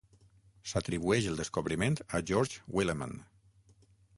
S'atribueix el descobriment a George Willeman.